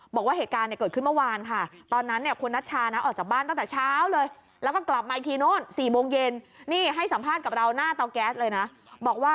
บอกว่าเหตุการณ์เนี่ยเกิดขึ้นเมื่อวานค่ะ